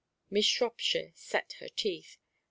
Miss Shropshire set her teeth.